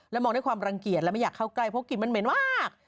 มองด้วยความรังเกียจและไม่อยากเข้าใกล้เพราะกลิ่นมันเหม็นมาก